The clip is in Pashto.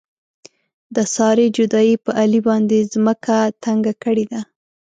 د سارې جدایۍ په علي باندې ځمکه تنګه کړې ده.